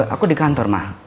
aku di kantor ma